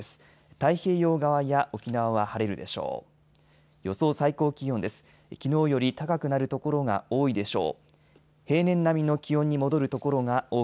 太平洋側や沖縄は晴れるでしょう。